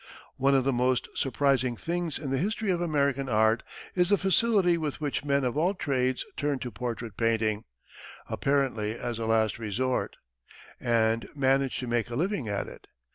One of the most surprising things in the history of American art is the facility with which men of all trades turned to portrait painting, apparently as a last resort, and managed to make a living at it.